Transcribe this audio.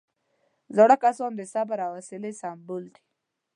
زاړه کسان د صبر او حوصلې سمبول دي